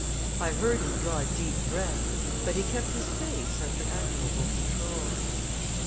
I heard him draw a deep breath, but he kept his face under admirable control.